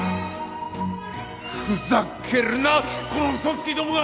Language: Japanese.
ふざけるなこのうそつきどもが！